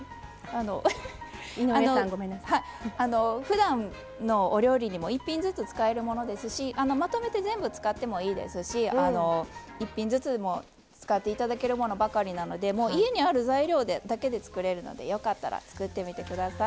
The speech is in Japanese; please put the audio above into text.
ふだんのお料理にもまとめて使えるものですしまとめて全部使ってもいいですし一品ずつ使っていただけるものばかりですので家にある材料だけで作れるのでよかったら作ってみてください。